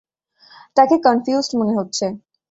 তাকে কনফিউজড মনে হচ্ছিল।